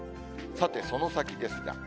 さて、その先ですが。